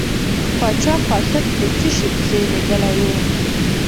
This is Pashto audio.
پاچا قاصد په څه شي پسې لیږلی و.